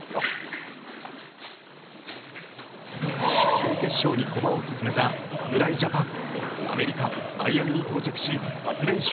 準決勝に駒を進めた侍ジャパン。